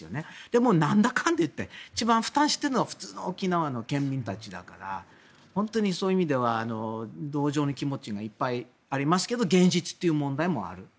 でも何だかんだいって一番負担しているのは沖縄の県民たちだから本当にそういう意味では同情の気持ちがいっぱいありますけど現実という問題もある。